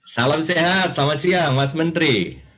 salam sehat selamat siang mas menteri